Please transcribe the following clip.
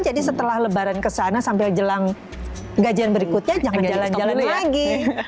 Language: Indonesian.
jadi setelah lebaran kesana sampai jelang gajian berikutnya jangan jalan jalan lagi